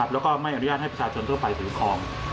แล้วก็ไม่อนุญาตให้ประชาชนทั่วไปถือคลอง